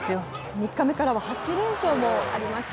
３日目からは８連勝もありました。